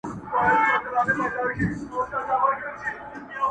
o هر نسل يې يادوي بيا بيا,